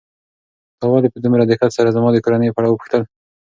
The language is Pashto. تا ولې په دومره دقت سره زما د کورنۍ په اړه وپوښتل؟